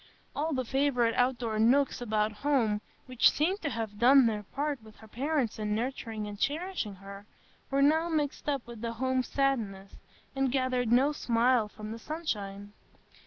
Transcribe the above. All the favourite outdoor nooks about home, which seemed to have done their part with her parents in nurturing and cherishing her, were now mixed up with the home sadness, and gathered no smile from the sunshine.